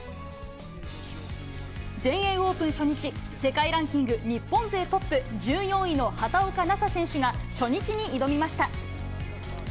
全英オープン初日、世界ランキング日本勢トップ、１４位の畑岡奈紗選手が、初日に挑みました。